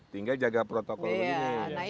tinggal jaga protokol begini